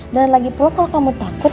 dan lagi pula kalau kamu takut